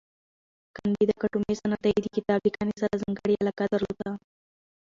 کانديد اکاډميسن عطایي د کتاب لیکنې سره ځانګړی علاقه درلوده.